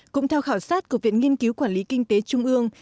cũng theo khảo sát của viện nghiên cứu quản lý kinh tế trung ương